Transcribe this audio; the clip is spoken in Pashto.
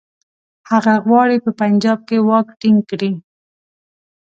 هغه غواړي په پنجاب کې واک ټینګ کړي.